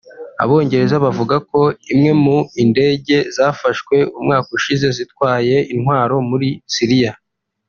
Abongereza bavugako imwe mu indege zafashwe umwaka ushize zitwaye intwaro muri Syria